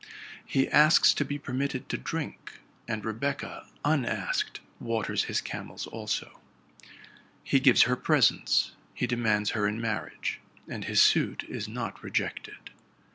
He asks to be permitted to drink; and Rebecca, unasked, waters his camels also. He gives her presents, he demands her in marriage, and his suit is not rejected.